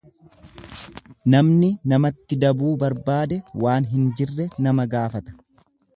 Namni namatti dabuu barbaade waan hin jirre nama gaafata.